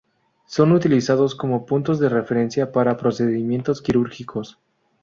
Son utilizados como puntos de referencia para procedimientos quirúrgicos.